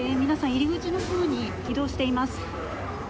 入り口のほうに移動しています。